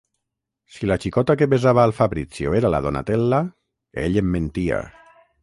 Si la xicota que besava al Fabrizio era la Donatella, ell em mentia.